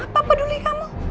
apa peduli kamu